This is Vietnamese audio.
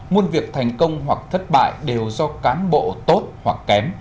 muôn việc thành công hoặc thất bại đều do cán bộ tốt hoặc kém